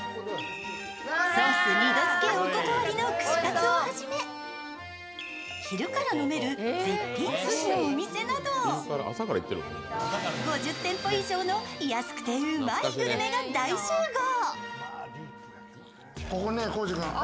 ソース二度づけお断りの串カツをはじめ昼から飲める絶品すしのお店など５０店舗以上の安くてうまいグルメが大集合。